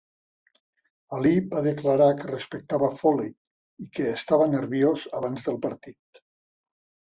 Ali va declarar que respectava Folley i que estava nerviós abans del partit.